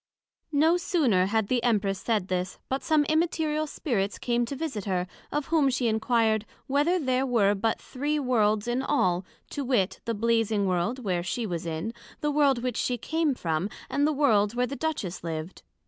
No sooner had the Empress said this, but some Immaterial Spirits came to visit her, of whom she inquired, Whether there were but three Worlds in all, to wit, the Blazing World where she was in, the World which she came from, and the World where the Duchess lived?